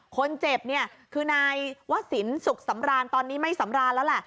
คนเจ็บเนี่ยคือนายวศิลปสุขสำรานตอนนี้ไม่สำราญแล้วแหละ